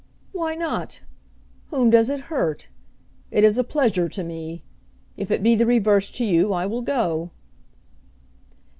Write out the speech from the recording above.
"Why not? Whom does it hurt? It is a pleasure to me. If it be the reverse to you, I will go."